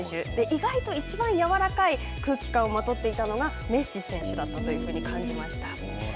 意外といちばん柔らかい空気感をまとっていたのがメッシ選手だったというふうに感じました。